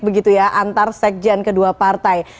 begitu ya antar sekjen kedua partai